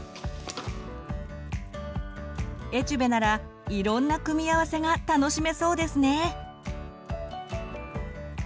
エチュベならいろんな組み合わせが楽しめそうですね！